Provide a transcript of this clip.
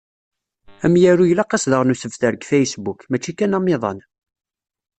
Amyaru ilaq-as daɣen usebter deg Facebook, mačči kan amiḍan.